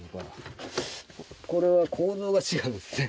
これは構造が違うんですね。